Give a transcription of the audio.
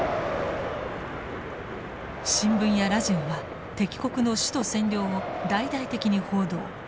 新聞やラジオは敵国の首都占領を大々的に報道。